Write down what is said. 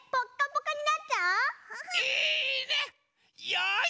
よし！